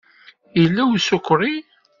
Yella isukṛi.